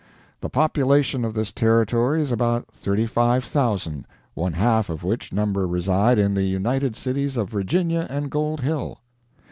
The population of this Territory is about 35,000, one half of which number reside in the united cities of Virginia and Gold Hill.